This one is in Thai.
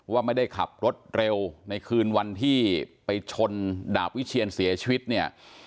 ว่าไม่ได้ขับรถเร็วในคืนวันที่ไปชนดาบวิเชียนเสียชีวิตเนี่ย